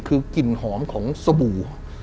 คือกลิ่นหอมของสบู่